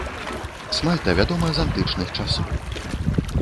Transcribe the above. Смальта вядома з антычных часоў.